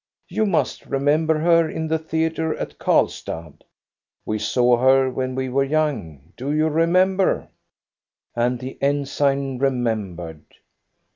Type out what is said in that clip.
You must remember her in the theatre at Karlstad. We saw her when we were young; do you remember?" And the ensign remembered.